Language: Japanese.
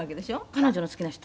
「彼女の好きな人？